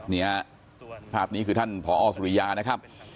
เนี่ยภาพนี้คือท่านผอสุริยานะครับ